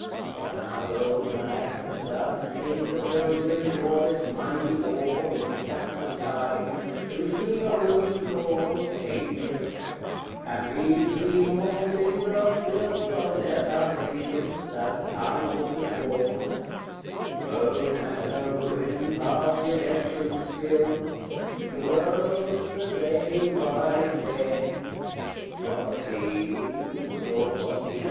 From our own land Thus spake the pilgrims o'er this mighty wall In Saxon times, which we are wont to call Ancient; and these three mortal things are still On their foundations, and unaltered all; Rome and her Ruin past Redemption's skill, The World, the same wide den of thieves, or what ye will.